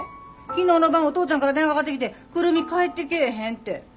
昨日の晩お父ちゃんから電話かかってきて久留美帰ってけえへんて。